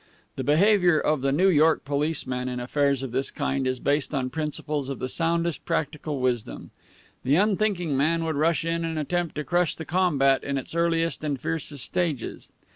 The behavior of the New York policeman in affairs of this kind is based on principles of the soundest practical wisdom. The unthinking man would rush in and attempt to crush the combat in its earliest and fiercest stages.